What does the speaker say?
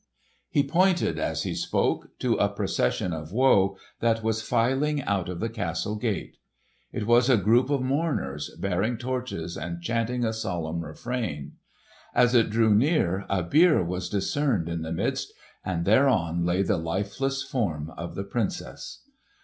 He pointed as he spoke to a procession of woe that was filing out of the castle gate. It was a group of mourners bearing torches and chanting a solemn refrain. As it drew near a bier was discerned in the midst, and thereon lay the lifeless form of the Princess.